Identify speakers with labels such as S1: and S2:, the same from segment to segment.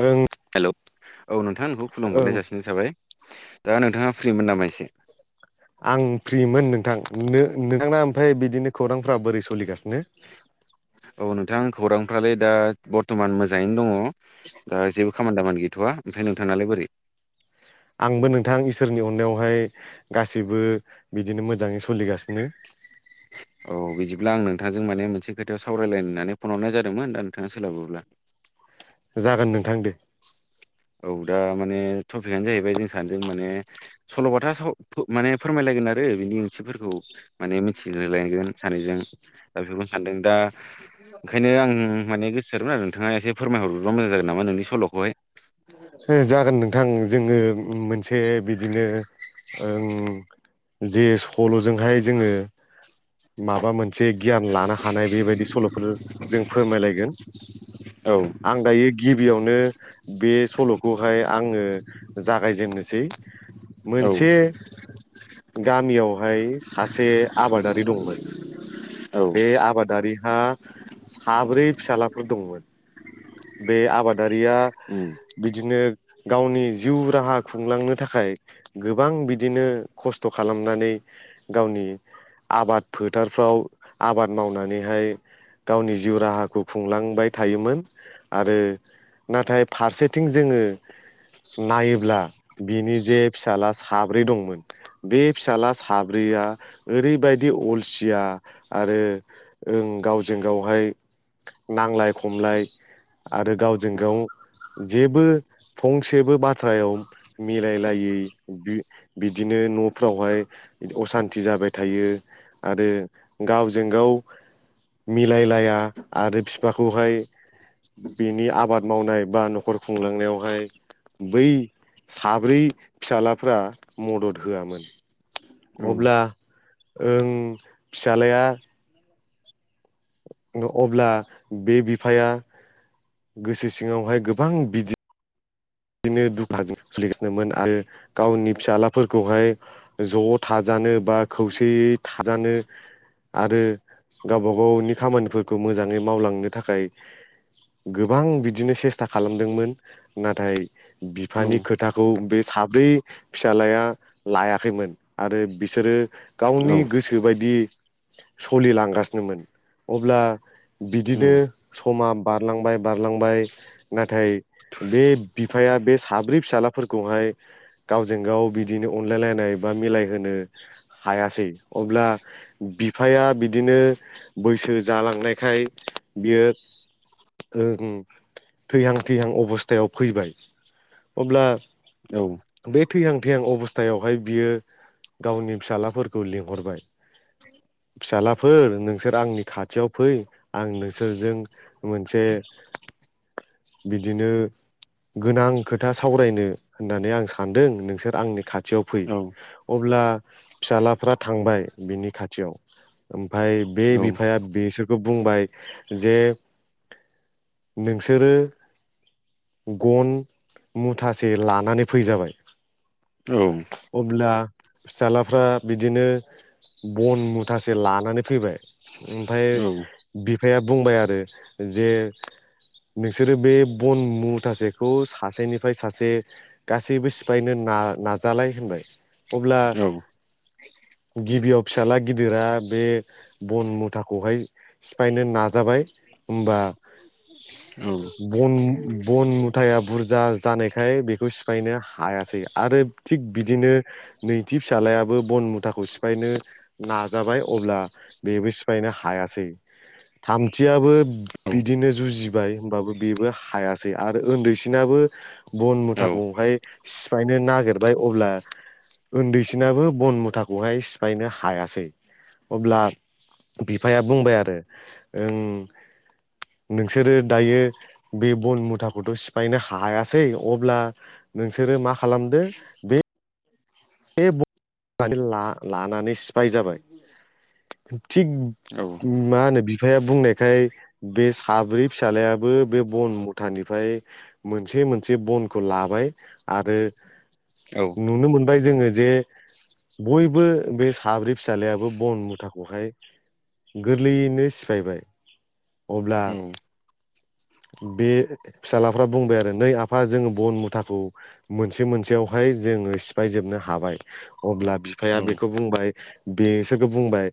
S1: ओं
S2: हेलौ औ नोंथां नोंखौ खुलुम
S1: ओं
S2: हरनाय जासिनाय थाबाय दा नोंथाङा फ्रिमोन नामा एसे
S1: आं फ्रिमोन नोंथां नो नोंथांना ओमफ्राय बिदिनो खौरांफोरा बोरै सोलिगासिनो
S2: औ नोंथां खौरांफ्रालाय दा बरथ'मान मोजाङैनो दङ दा जेबो खामानि दामानि गैथ'वा मफ्राय नोंथाङालाय बोरै
S1: आंबो नोंथां इसोरनि अननायावहाय गासैबो बिदिनो मोजाङै सोलिगासिनो
S2: [inaudible] औ बिदिब्ला आं नोंथांजों माने मोनसे खोथायाव सावरायलाय होननानै फन हरनाय जादोंमोन दा नोंथाङा सोलाबोब्ला
S1: जागोन नोंथां दे
S2: औ दा माने टपिकआनो जाहैबाय जों सानैजों माने सल'बाथा साव माने फोरमायलायगोन आरो बिनि ओंथिफोरखौ माने मिथिहोलायगोन सानैजों दा बेफोरखौनो सानदों दा ओंखायनो आं माने गोसोमोन आरो नोंथाङा एसे फोरमायहरग्रोबा मोजां जागोन नामा नोंनि सल'खौहाय
S1: ओ जागोन नोंथां जोङो मोनसे बिदिनो जे सल'जोंहाय जोङो माबा मोनसे गियान लानो हानाय बेबायदि सल'फोर जों फोरमायलायगोन
S2: औ
S1: आं दायो गिबियावनो बे सल'खौहाय आङो जागायजेननोसै
S2: औ
S1: मोनसे गामियावहाय सासे आबादारि दंमोन
S2: औ
S1: बे आबाद दारिहा साब्रै फिसाज्लाफोर दंमोन बे आबादारिया
S2: उम
S1: बिदिनो गावनि जिउ राहा खुंलांनो थाखाय गोबां बिदिनो खस्थ' खालामनानै गावनि आबाद फोथारफ्राव आबाद मावनानैहाय गावनि जिउ राहाखौ खुंलांबाय थायोमोन आरो नाथाय फारसेथिं जोङो नायोब्ला बिनि जे फिसाज्ला साब्रै दंमोन बे फिसाज्ला साब्रैया ओरैबायदि अलसिया आरो ओं गावजों गावहाय नांलाय खमलाय आरो गावजों गाव जेबो फंसेबो बाथ्रायाव मिलायलायै बिदिनो न'फ्रावहाय असान्थि जाबाय थायो आरो गावजों गाव मिलायलाया आरो बिफाखौहाय बेनि आबाद मावनाय बा न'खर खुंलांनायावहाय बै साब्रै फिसाज्लाफ्रा मदद होआमोन
S2: औ
S1: अब्ला ओं फिसाज्लाया अब्ला बे बिफाया गोसो सिङावहाय गोबां बिदि बिदिनो दुखुजों सोलिगासिनोमोन आरो गावनि फिसाज्लाफोरखौहाय ज' थाजानो बा खौसेयै थाजानो आरो गावबा गावनि खामानिफोरखौ मोजाङै मावलांनो थाखाय गोबां बिदिनो सेस्था खालामदोंमोन नाथाय
S2: औ
S1: बिफानि खोथाखौ बे साब्रै फिसाज्लाया लायाखैमोन आरो बिसोरो
S2: औ
S1: गावनि गोसोबायदि सोलिलांगासिनोमोन अब्ला बिदिनो समा बारलांबाय बारलांबाय नाथाय बे बिफाया बे साब्रै फिसाज्लाफोरखौहाय गावजों गाव बिदिनो अनलायलायनाय बा मिलायहोनो हायासै अब्ला बिफाया बिदिनो बैसो जालांनायखाय बियो ओ थैहां थैहां अबस्थायाव फैबाय अब्ला
S2: औ
S1: बे थैहां थैहां अबस्थायावहाय बियो गावनि फिसाज्लाफोरखौ लिंहरबाय फिसाज्लाफोर नोंसोर आंनि खाथियाव फै आं नोंसोरजों मोनसे बिदिनो गोनां खोथा सावरायनो होननानै आं सानदों नोंसोर आंनि खाथियाव फै
S2: औ
S1: अब्ला फिसाजलाफ्रा थांबाय बिनि खाथियाव ओमफ्राय बे बिफाया बेसोर खौ बुंबाय जे नोंसोरो गन मुथासे लानानै फै जाबाय
S2: औ
S1: अब्ला फिससााज्लाफ्रा बिदिनो बन मुथासे लानानै फैबाय ओमफाय
S2: औ
S1: बिफाया बुंबाय आरो जे नोंसोरो बे बन मुथ मुथासेखौ सासेनिफ्राय सासे गासैबो सिफायनो न नाजालाय होनबाय अब्ला गिबियाव फिसााजला गिदिरा बे बन मुथाखौहाय सिफायनो नाजाबाय हबा बन बन मुथाया बुरजा जानायखाय बेखौ सिफायनो हायासै आरो थिग बिदिनो नैथि फिसाज्लायाबो बन मुथाखौ सिफायनो नाजाबाय अब्ला बेबो सिफायनो हायासै थामथियाबो बिदिनो जुजिबाय होनोमबाबो बेबो हायै ै आरो उन्दैसिनाबो बन
S2: औ
S1: मुथाखौहाय सिफायनो नागिरबाय अब्ला उन्दैसिनाबो बन मुथाखौहाय सिफायनो हायासै अब्ला बिफाया बुंबाय आरो ओं नोंसोरो दायो बे बन मथ जुथाखौथ' सिफायनो हायासै अब्ला नोंसोरो मा खालामदो बे बे लानानै सिफाय जाबाय थिग मा होनो बिफाया बुंनायखाय बे साब्रै फिसाज्लायाबो बे बन मुथानिफ्राय मोनसे मोनसे बनखौ लाबाय आरो नुनो मोन ओमफ्राय जोङो जे बयबो बे साब्रै फिसााज्लायाबो बन मुथाखौहाय गोरलैयैनो सिफायबाय अब्ला बे फिसााजलाफ्रा बुंबाय आरो नै आफा जोङो बन मुथाखौ मोनसे मोनसेयावहाय जोङो सिफायजोबनो हाबाय अब्ला बिफाया बेखौ बुंबाय बिसोरखौ बुंबाय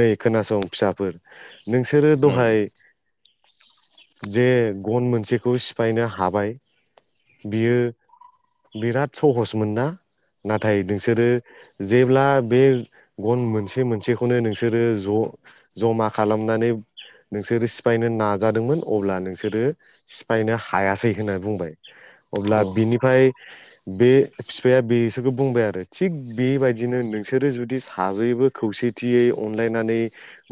S1: नै खोनासं फिसाफोर नोंसोरो दहाय जे गन मोनसेखौ सिफायनो हाबाय बियो बिराद सहस मोन ना नाथाय नोंसोरो जेब्ला बे गन मोनसे मोनसेखौनो नोंसोरो ज' जमा खालामनानै नोंसोरो सिफायनो नाजादोंमोन अब्ला नोंसोरो सिफायनो हायासै होनना बुंबाय अब्ला बिनिफ्राय बे बिफाया बेसोरखौ बुंबाय आरो थिग बेबायदिनो नोंसोरो जुदि साब्रैबो खौसेथियै अनलायनानै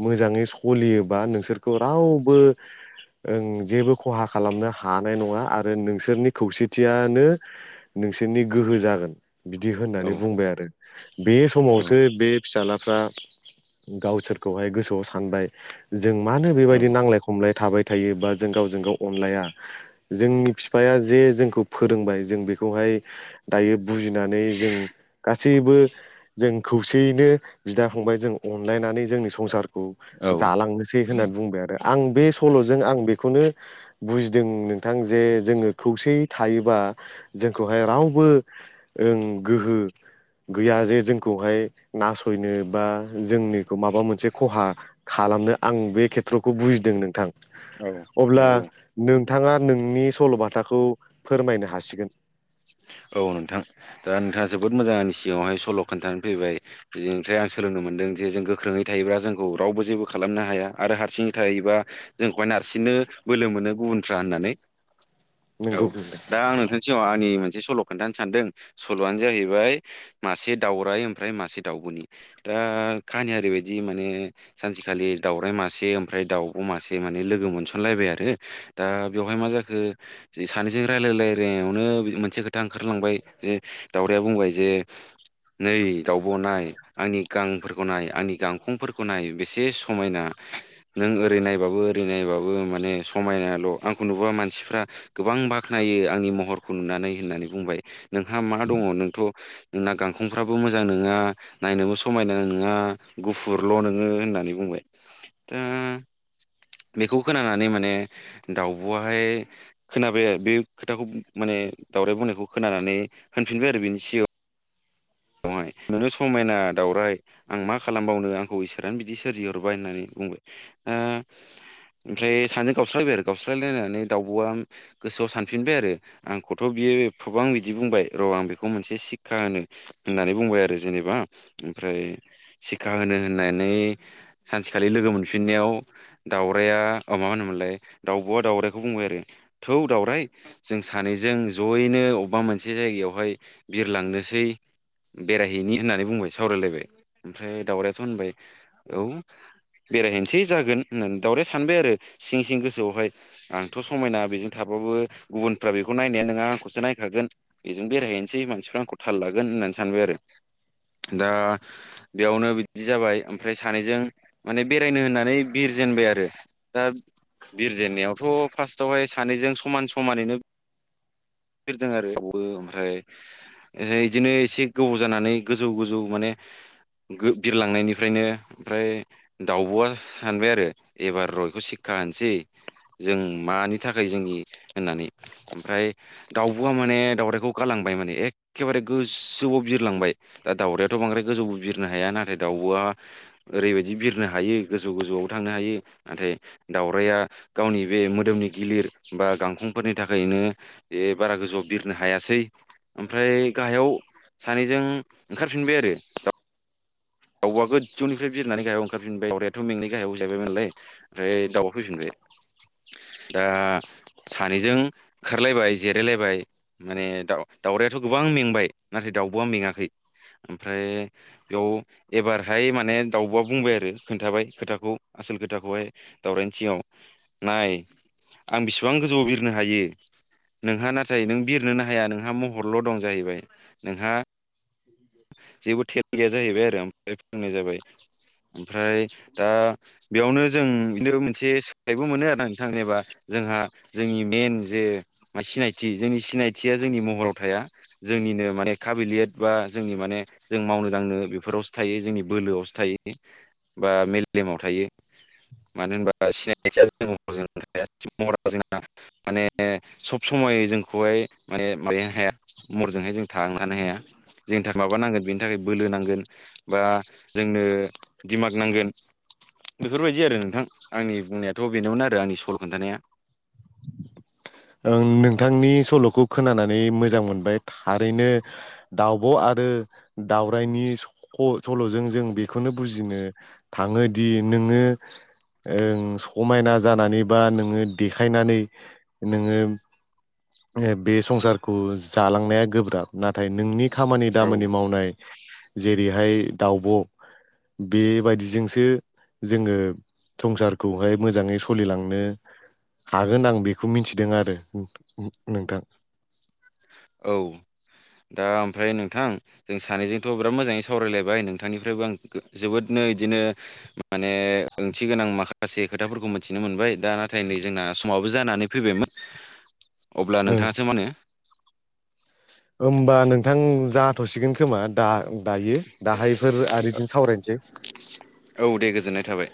S1: मोजाङै सलियोबा नोंसोरखौ रावबो ओं जेबो खहा खालामनो हानाय नङा आरो नोंसोरनि खौसेथियानो नोंसोरनि गोहो जागोन बिदि होननानै बुंबाय आरो बे समावसो बे फिसाज्लाफ्रा गावसोरखौहाय गोसोआव सानबाय जों माानो बेबायदि नांलाय खमलाय थाबाय थायोबा जों गावजों गाव अनलाया जोंनि बिफाया जे जोंखौ फोरोंबाय जों बेखौहाय दायो बुजिनानै जों गासैबो जों खौसेयैनो बिदा फंबाय जों अनलायनानै जोंनि संसार खौ
S2: औ
S1: जालांनोसै होननानै बुंबाय आरो आं बे सल'जों आं बेखौनो बुजिदों नोंथां जे जोङो खौसेै थायोबा जोंखौहाय रावबो ओं गोहो गैया जे जोंखौहाय नासयनो बा जोंनिखौ माबा मोनसे खहा खालामनो आं बे खेथ्रखौ बुजिदों नोंथां अब्ला
S2: नंगौ
S1: नोंथाङा नोंनि सल'बाथाखौ फोरमायनो हासिगोन
S2: औ नोंथां दा नोंथाङा जोबोद मोजां आनि सिगाङावहाय सल' खोन्थानानै फैबाय बेनिफ्राय आं सोलोंनो मोनदों जे जों गोख्रोङै थायोब्ला जोंखौ रावबो जेबो खालामनो हाया आरो हारसिङै थायोबा जोंखौहाय नारसिननो बोलो मोनो गुबुनफ्रा होननानै औ
S1: नोंगौ नोंथां
S2: दा आं नोंथांनि सिगाव आंनि मोनसे सल' खोन्थानो सानदों सल'आनो जाहैबाय मासे दाउराय ओमफ्राय मासे दाउब'नि दा काहानिया ओरैबायदि माने सानसेखालि दाउराइ मासे ओमफ्राय दाउब' मासे माने लोगो मोनसनलायबाय आरो दा बेवहाय मा जाखो सानैजों रायलायलायावनो [unintelligible] मोनसे खोथा खोथा ओंखारलांबाय जे दावराया बुंबाय जे नै दाउब 'नाय आंनि गांफोरखौ नाय आंनि गांखंफोरखौ नाय बेसे समायना नों ओरै नायबाबो ओरै नायबाबो माने समायनाल' आंखौ नुबा मानसिफ्रा गोबां बाख्नायो आंनि महरखौ नुनानै होननानै बुंबाय नोंहा मा दङ नोंथ' नोंना गांखंफ्राबो मोजां नङा नायनोबो समायना नङा गुफुरल' नोङो होननानै बुंबाय दा बेखौ खोनानानै माने दावउब'वा हाय खोनाबाय बे खोथाखौ माने दावराय बुंनायखौ खोनानानै होनफिनबाय आरो बेनि सिगाङाव बेहाय [unintelligible] नोंथ समायना दाउराइ आं मा खालामबावनो आंखौ इसोरानो बिदि सोरजिहरबाय होननानै बुंबाय दा ओमफ्राय सानैजों गावस्रलायबाय आरो गावस्रायलायनानै दाउब'आ गोसोआव सानफिनबाय आरो आंखौथ' बियो गोबां बिदि बुंबाय र' आं बेखौ मोनसे सिक्षा होनि होननानै बुंबाय आरो जेनेबा ओमफ्राय सिकखा होनो होननानै सानसेखालि लोगो मोनफिननायाव दाउराइआ मा होनोमोनलाय दाउब'आ दाउरायखौ बुंबाय आरो थौ दाउराय जों सानैजों जयैनो अबेबा मोनसे जायगायावहाय बिरलांनोसै। बेरायहैनि होननानै बुंबाय सावरायलायबाय ओमफ्राय दावरायाथ' होनबाय औ। बेरायहैनोसै जागोन होननानै दाउराया सानबाय आरो सिं सिं गोसोआवहाय आंथ'। समायना बेजों थाबाबो गुबुनफ्रा बेखौ नायनाय नङा आंखौसो नायखागोन बेजों बेरायहैनोसै मानसिफ्रा आंखौ थाल लागोन होननानै सानबाय आरो दा। बेयावनो बिदि जाबाय ओमफ्राय सानैजों माने बेरायनो होननानै बिरजेनबाय आरो। दा बिरजेननायावथ' फार्स्टआवहाय सानैजों समान समानैनो। दों [unintelligible] आरो बेबो ओमफ्राय बिदिनो एसे। गोबाव जानानै गोजौ गोजौ माने बिरलांनायनिफ्रायनो ओमफ्राय। दाउब'आ सानबाय आरो एबार र बिखौ सिकखा होनोसै जों मानि थाखाय जोंनि होननानै। ओमफ्राय दाउबआ माने दाउराइखौ गालांबाय माने एखेबारे गोजौआव। बिरलांबाय दा दाउरायाथ' बांद्राय गोजौ बिरनो हाया नाथाय दाउब'आ। ओरैबायदि बिरनो हायो गोजौ गोजौआव थांनो हायो नाथाय दाउराया गावनि बे मोदोमनि गिलिर बा गांखंफोरनि थाखायनो। बे बारा गोजौआव बिरनो हायासै ओमफ्राय गाहायाव। सानैजों ओंखारफिनबाय आरो दाउ [unintelligible] दावबआ गोजौनिफ्राय बिजिरनानै गाहायाव ओंखारफिनबाय दाउरायाथ' बेनि गाहायाव जाहैबायमो नालाय। ओमफ्राय दाउआ फैफिनबाय दा। सानैजों ओंखारलायबाय जिरायलायबाय माने दा दाउरायाथ' गोबां मेंबाय नाथाय दाउबआ मेङाखै। ओमफ्राय बेयाव एबारहाय माने दाउबआ बुंबाय आरो खोन्थाबाय खोथाखौ आसोल खोथाखौहाय दावरायनि सिगांआव नाय आं बिसिब बेसिबां गोजौआव बिरनो हायो नोंहा नाथाय नों बिरनोनो हाया नोंहा महर। [unintelligible] महरल' दं जाहैबाय नोंहा जेबो थेब गैया जाहैबाय आरो [unintelligible] फ्राय फोरोंनाय जाबाय ओमफ्राय दा। बेयावनो जों बिनो मोनसे सोलोंथाइ बो मोनो आरो नोंथां एबा जोंहा। जोंनि मेन जे सिनायथि जोंनि सिनायथिया जोंनि महराव थाया जोंनिनो माने काबिलियेट बा। जोंनि माने जों मावनो दांनो बेफोरावसो थायो जोंनि बोलोआवसो थायो बि बा मेलेमाव थायो। मानो होनबा सिनायथिया [unintelligible] जोंना। माने सब समाय जोंखौहाय माने [unintelligible] हाया। मरजोंहाय जों थांनोनो हाया। जोंनि थाखाय माबा नांगोन बेनि थाखाय बोलो नांगोन बा जोंनो दिमाग नांगोन। बेफोर बायदि आरो नोंथां आंनि बुंनायाथ' बेनोमोन आरो आंनि सल खोन्थानाया।
S1: ओं नोंथांनि सल'खौ खोनानानै मोजां मोनबाय थारैनो दावब' आरो दावरायनि स-सल'जों जों बेखौनो बुजि नो थाङोदि नोङो ओं समायना जानानैबा नोङो देखायनानै नोङो ओ बे संसारखौ जालांनाया गोब्राब। नाथाय नोंनि
S2: औ
S1: खामानि-दामानि मावनाय जेरैहाय दावब' बेबायदिजोंसो जोङो संसारखौहाय मोजाङै सोलिलांनो हागोन आं बे खौ मिन्थिदों आरो नो-नो-नोंथां
S2: औ दा ओमफ्राय नोंथां जों सानैजोंथ' बिराद मोजाङै सावरायलायबाय नोंथांनिफ्रायबो आं जोबोदनो इदिनो माने ओंथि गोनां माखा से खोथाफोरखौ मिनथिनो मोनबाय दा नाथाय नै जोंना समावबो जानानै फैबायमोन। अब्ला
S1: ओं
S2: नोंथाङासो मा होनो?
S1: होमबा नोंथां जाथ'सिगोन खोमा दा दायो दाहायफोर आरो इदिनो सावरायनोसै।
S2: औ दे गोजोननाय थाबाय।